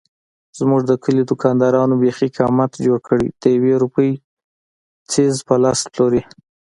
زموږ د کلي دوکاندارانو بیخي قیامت جوړ کړی دیوې روپۍ څيز په لس پلوري.